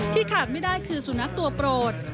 ขาดไม่ได้คือสุนัขตัวโปรด